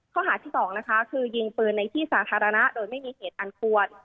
ข้อหาที่๒นะคะคือยิงปืนในที่สาธารณะโดยไม่มีเหตุอันควร